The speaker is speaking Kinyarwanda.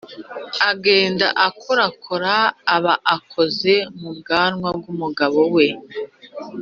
agenda akorakora aba akoze mu bwanwa bw'umugabo we